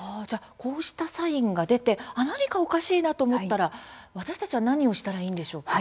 こうしたサインが出て何かおかしいなと思ったら私たちは何をしたらいいんでしょうか？